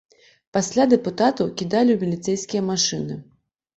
Пасля дэпутатаў кідалі ў міліцэйскія машыны.